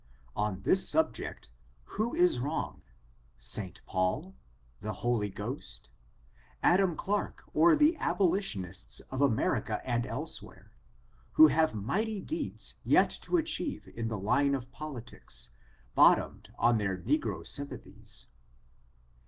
On this sub ject, who now is wrong, St. Paul, the Holy Ghost, Adam Clarke, or the abolitionists of America and elsewhere, who have mighty deeds yet to achieve in the line of politics, bottomed on their negro sympa thies?